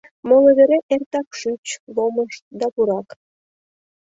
Моло вере эртак шӱч, ломыж да пурак.